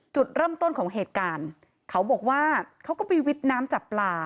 จุดเริ่มต้นของเหตุการณ์เขาบอกว่าเขาก็ไปวิทย์น้ำจับปลา